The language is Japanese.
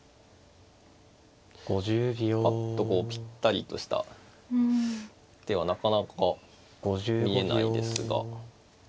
ぱっとこうぴったりとした手はなかなか見えないですが。